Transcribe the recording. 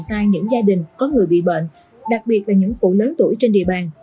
những người dân dân dân dân có người bị bệnh đặc biệt là những cụ lớn tuổi trên địa bàn